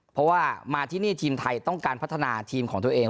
เพราะว่ามาที่นี่ทีมไทยต้องการพัฒนาทีมของตัวเอง